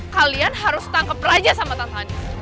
kalian harus tangkep raja sama tante andi